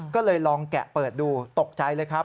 ก็เลยลองแกะเปิดดูตกใจเลยครับ